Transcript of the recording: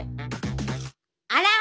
あら？